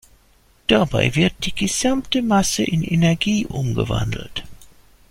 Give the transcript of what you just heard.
Dabei wird die gesamte Masse in Energie umgewandelt.